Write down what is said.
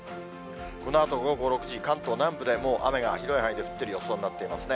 このあと午後６時、関東南部でもう雨が広い範囲で降ってる予想になってますね。